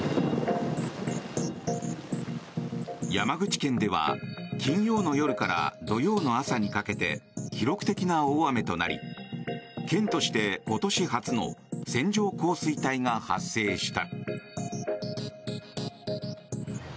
山口県では金曜の夜から土曜の朝にかけて記録的な大雨となり県として今年初の線状降水帯が発生した。